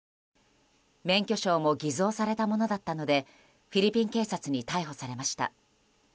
免許証も偽造されたものだったのでフィリピン警察に逮捕されました。